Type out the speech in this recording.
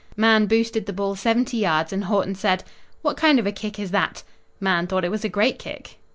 Mahan boosted the ball seventy yards, and Haughton said: "What kind of a kick is that?" Mahan thought it was a great kick.